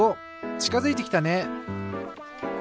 ちかづいてきたね！